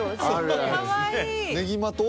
ねぎまと？